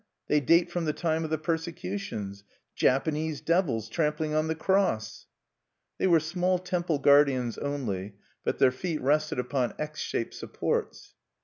They date from the time of the persecutions. Japanese devils trampling on the Cross!" They were small temple guardians only; but their feet rested upon X shaped supports.